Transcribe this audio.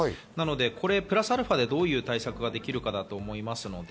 これプラスアルファでどういう対策ができるかだと思います。